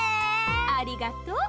ありがと。